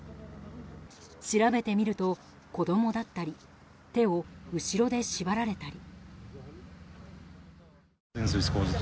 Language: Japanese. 調べてみると子供だったり手を後ろで縛られたり。